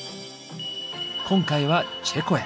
今回はチェコへ。